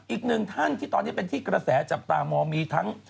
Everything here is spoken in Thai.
อีกหนึ่งท่านที่ตอนนี้เป็นที่กระแสจับตามองมีทั้ง